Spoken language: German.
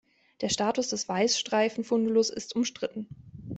Der Status des Weißstreifen-Fundulus ist umstritten.